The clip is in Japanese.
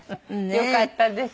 よかったです。